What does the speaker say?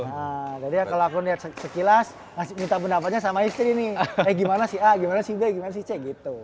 nah jadi kalau aku lihat sekilas minta pendapatnya sama istri nih eh gimana sih a gimana si b gimana sih c gitu